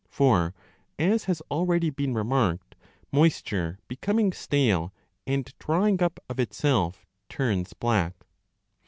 For, as has already been remarked, moisture becoming 30 stale and drying up of itself turns black.